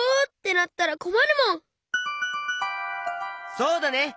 そうだね！